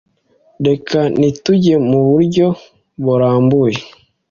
reka ntitujye muburyo burambuye